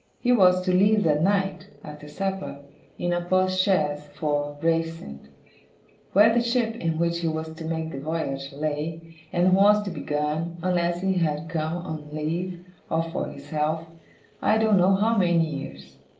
He was to leave that night, after supper, in a post chaise, for Gravesend; where the ship, in which he was to make the voyage, lay; and was to be gone unless he came home on leave, or for his health I don't know how many years.